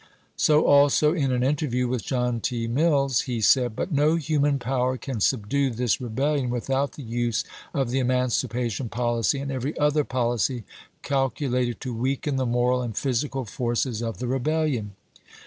So also in an interview with John T. Mills he said :" But no human power can subdue this re bellion without the use of the emancipation policy and every other policy calculated to weaken the moral and physical forces of the rebellion.